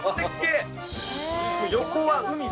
横は海で